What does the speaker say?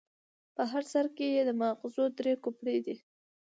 په هر سر کې یې د ماغزو درې کوپړۍ دي.